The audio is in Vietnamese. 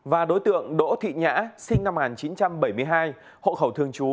và đối tượng đỗ thị nhã sinh năm một nghìn chín trăm bảy mươi hai hộ khẩu thường trú